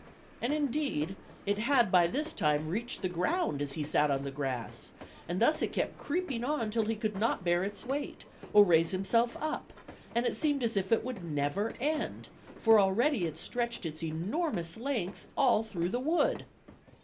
And, indeed, it had by this time reached the ground as he sat on the grass, and thus it kept creeping on till he could not bear its weight, or raise himself up; and it seemed as if it would never end, for already it stretched its enormous length all through the wood.